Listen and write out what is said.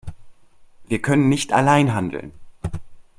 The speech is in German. Wir können nicht allein handeln.